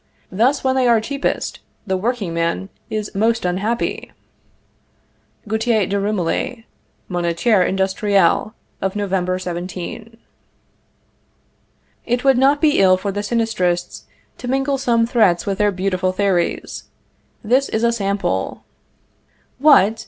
Thus, when they are cheapest, the workingman is most unhappy." (Gauthier de Rumilly, Moniteur Industriel of November 17.) It would not be ill for the Sinistrists to mingle some threats with their beautiful theories. This is a sample: "What!